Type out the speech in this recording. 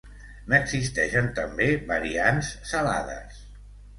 N'existeixen també variants salades.